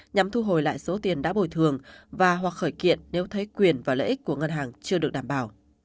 nhằm thu hồi lại số tiền đã bồi thường và hoặc khởi kiện nếu thấy quyền và lợi ích của ngân hàng chưa được đảm bảo